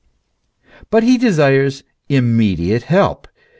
But he desires immediate help.